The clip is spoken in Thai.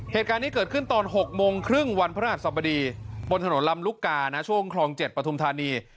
เหตุการณ์นี้เกิดขึ้นตอน๖โมงครึ่งวันพระราชสมดีบนถนนลำลุกกานะช่วงคลอง๗ปฐุมธานี